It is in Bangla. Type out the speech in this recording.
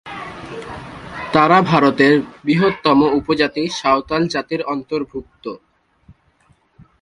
তারা ভারতের বৃহত্তম উপজাতি- সাঁওতাল জাতির অন্তর্ভুক্ত।